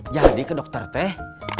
jadi ke dokter teh